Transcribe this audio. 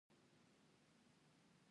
آیا د لرګیو صنعت ډیر پخوانی نه دی؟